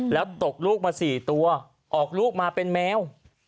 แล้วตกลูกมา๔ตัวออกลูกมาเป็นแมว